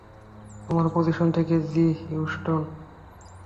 তোমরা পজিশন থেকে জ্বি, হিউস্টন!